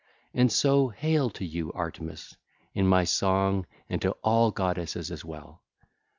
(ll. 7 9) And so hail to you, Artemis, in my song and to all goddesses as well.